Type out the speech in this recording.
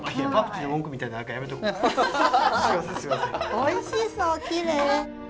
おいしそうきれい。